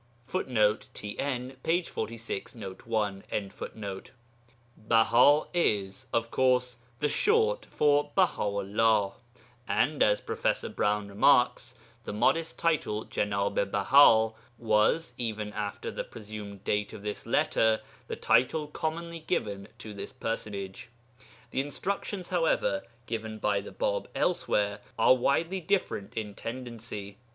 [Footnote: TN, p. 46, n. 1] Baha is, of course, the short for Baha 'ullah, and, as Prof. Browne remarks, the modest title Jenab i Baha was, even after the presumed date of this letter, the title commonly given to this personage. The instructions, however, given by the Bāb elsewhere are widely different in tendency.